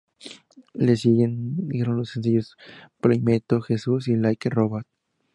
Le siguieron los sencillos "Playmate to Jesus" y "Like a Robot".